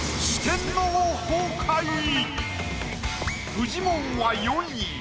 フジモンは４位。